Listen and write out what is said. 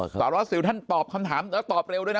สารวัสสิวท่านตอบคำถามแล้วตอบเร็วด้วยนะ